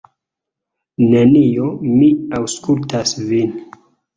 Nenio, mi aŭskultas vin.